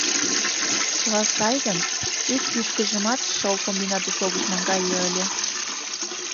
Чыла сай гын, ик ӱшкыжымат шыл комбинатыш огыт наҥгае ыле.